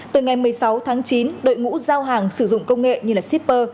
từ ngày một mươi sáu tháng chín đội ngũ giao hàng sử dụng công nghệ như shipper